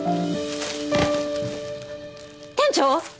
店長！？